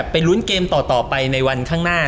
ลุ้นเกมต่อไปในวันข้างหน้า